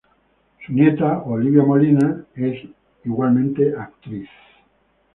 Su nieta Olivia Molina es igualmente actriz.